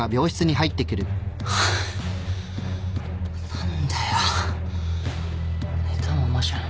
何だよ寝たままじゃん